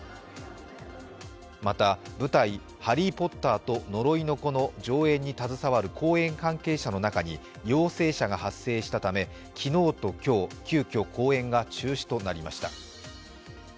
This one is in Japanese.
また、舞台「ハリー・ポッターと呪いの子」の上演に携わる公演関係者の中に陽性者が発生したため昨日と今日、急きょ公演が中止となりました。